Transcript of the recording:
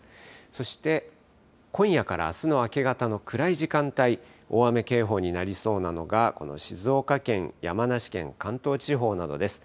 そして今夜からあすの明け方の暗い時間帯、大雨警報になりそうなのが、この静岡県、山梨県、関東地方などです。